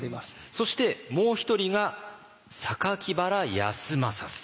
そしてもう一人が榊原康政さん。